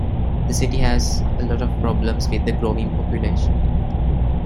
The city has a lot of problems with the growing population.